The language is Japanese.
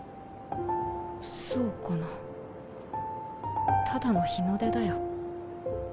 そうかなただの日の出だよ。